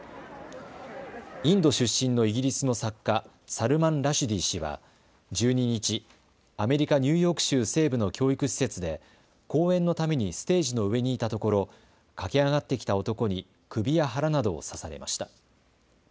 インド出身のイギリスの作家、サルマン・ラシュディ氏は１２日、アメリカ・ニューヨーク州西部の教育施設で講演のためにステージの上にいたところ駆け上がってきた男に首や腹などを刺されました。